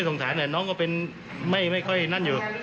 ทำนึกผิดไหมนะ